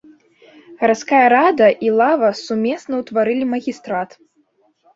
Гарадская рада і лава сумесна ўтваралі магістрат.